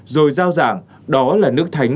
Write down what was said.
rồi giao giảng đó là nước thánh